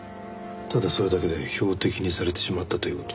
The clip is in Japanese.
ただそれだけで標的にされてしまったという事ですか？